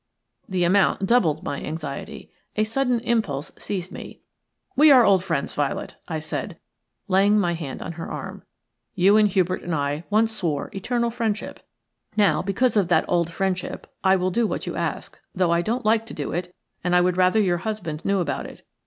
The amount doubled my anxiety. A sudden impulse seized me. "We are old friends, Violet," I said, laying my hand on her arm. "You and Hubert and I once swore eternal friendship. Now, because of that old friendship, I will do what you ask, though I don't like to do it, and I would rather your husband knew about it.